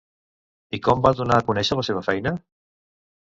I com van donar a conèixer la seva feina?